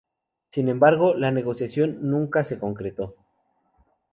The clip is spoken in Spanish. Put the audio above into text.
Sin embargo, la negociación nunca se concretó.